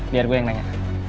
biar gua yang nanya